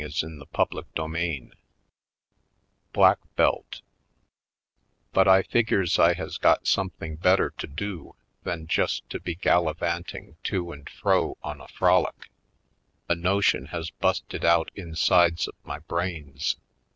Poin dexter^ Colored CHAPTER X Black Belt BUT I figures I has got something bet ter to do than just to be gallivanting to and fro on a frolic. A notion has busted out insides of my brains.